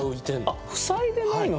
あっ塞いでないの？